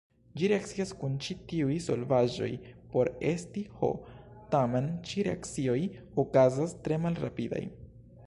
Ĝi reakcias kun ĉi-tiuj solvaĵoj por estigi H, tamen, ĉi-reakcioj okazas tre malrapidaj.